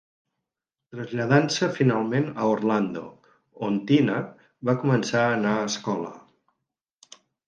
Traslladant-se finalment a Orlando, on Tina va començar a anar a escola.